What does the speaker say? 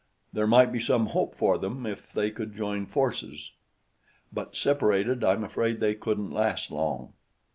There might be some hope for them if they could join forces; but separated, I'm afraid they couldn't last long."